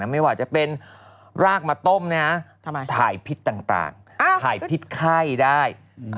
ไม่ว่าจะเป็นรากมาต้มถ่ายพิษต่างถ่ายพิษไข้ได้